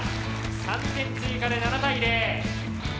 ３点追加で７対０。